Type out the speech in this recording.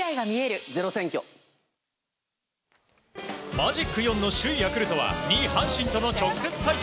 マジック４の首位ヤクルトは２位、阪神との直接対決。